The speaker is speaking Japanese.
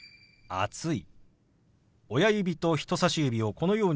「暑い」。